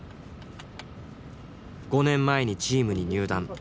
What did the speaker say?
５年前にチームに入団。